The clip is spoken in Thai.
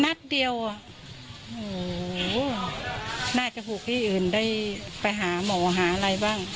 นัดเดียวอ่ะโอ้โหน่าจะถูกที่อื่นได้ไปหาหมอหาอะไรบ้าง